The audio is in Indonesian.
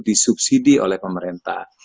disubsidi oleh pemerintah